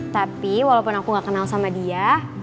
tapi walaupun aku gak kenal sama dia